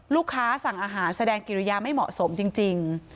สั่งอาหารแสดงกิริยาไม่เหมาะสมจริง